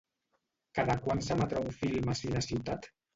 Cada quant s'emetrà un film a CineCiutat?